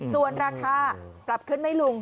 ส่วนราคาปรับขึ้นไหมลุง